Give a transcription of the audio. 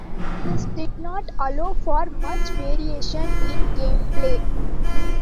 This didn't allow for much variation in gameplay.